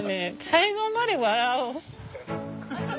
最後まで笑おう。